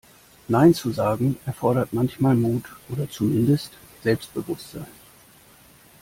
Nein zu sagen, erfordert manchmal Mut oder zumindest Selbstbewusstsein.